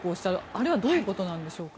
あれはどういうことでしょうか。